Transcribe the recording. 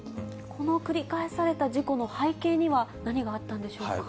この繰り返された事故の背景には、何があったんでしょうか。